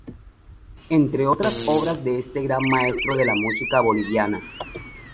Entre otras obras de este Gran Maestro de la Música boliviana.